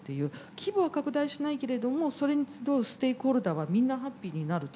規模は拡大しないけれどもそれに集うステークホルダーはみんなハッピーになると。